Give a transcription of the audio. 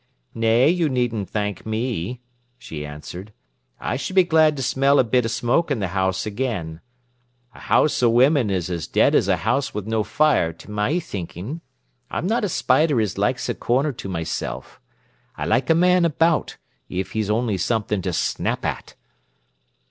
"Nay, you needn't thank me," she answered. "I s'll be glad to smell a bit of smoke in th' 'ouse again. A house o' women is as dead as a house wi' no fire, to my thinkin'. I'm not a spider as likes a corner to myself. I like a man about, if he's only something to snap at."